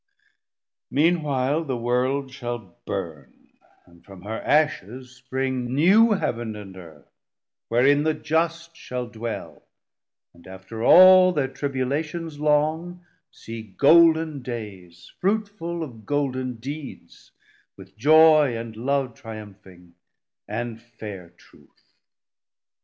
Mean while The World shall burn, and from her ashes spring New Heav'n and Earth, wherein the just shall dwell And after all thir tribulations long See golden days, fruitful of golden deeds, With Joy and Love triumphing, and fair Truth.